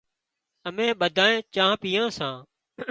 اَمين ٻڌانئين چانه پيئان سان۔